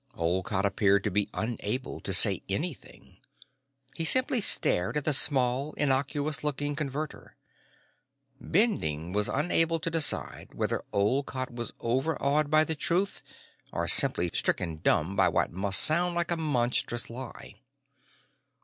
Olcott appeared to be unable to say anything. He simply stared at the small, innocuous looking Converter. Bending was unable to decide whether Olcott was overawed by the truth or simply stricken dumb by what must sound like a monstrous lie.